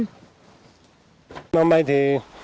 hôm nay thì